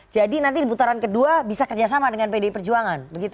jadi nanti di putaran kedua bisa kerjasama dengan pdi perjuangan